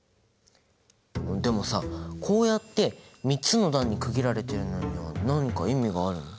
でもさこうやって３つの段に区切られているのには何か意味があるの？